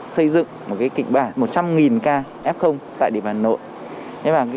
xây dựng một kịch bản một trăm linh ca f tại địa bàn hà nội